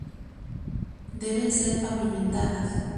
Deben ser pavimentadas.